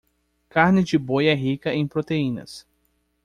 Carne de boi é rica em proteínas.